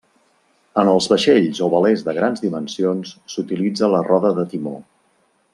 En els vaixells o velers de grans dimensions s'utilitza la roda de timó.